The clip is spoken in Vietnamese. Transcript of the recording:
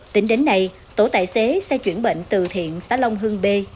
tính đến nay tổ tài xế xe chuyển bệnh từ thiện xã long hương b